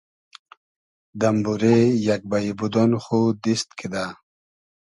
دئمبورې یئگ بݷ بودۉن خو دیست کیدۂ